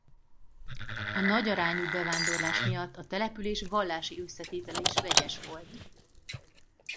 A nagyarányú bevándorlás miatt a település vallási összetétele is vegyes volt.